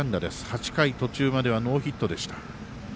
８回途中まではノーヒットでした。